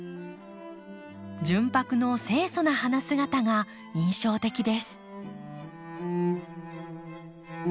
純白の清楚な花姿が印象的です。